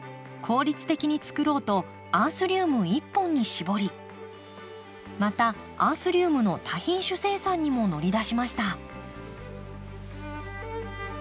効率的につくろうとアンスリウム一本に絞りまたアンスリウムの多品種生産にも乗り出しました。